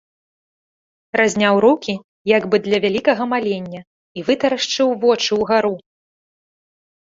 Разняў рукі як бы для вялікага малення і вытарашчыў вочы ўгару.